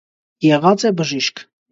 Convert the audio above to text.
Եղած է բժիշկ։